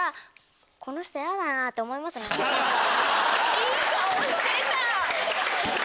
いい顔してた！